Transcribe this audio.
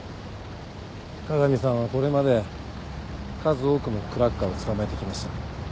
加賀美さんはこれまで数多くのクラッカーを捕まえてきました。